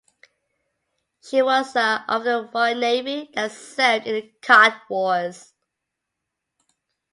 She was a of the Royal Navy that served in the Cod Wars.